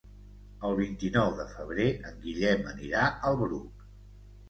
El vint-i-nou de febrer en Guillem anirà al Bruc.